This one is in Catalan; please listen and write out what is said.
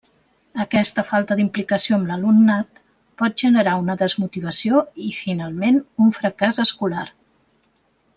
Aquesta falta d'implicació amb l'alumnat pot generar una desmotivació i finalment un fracàs escolar.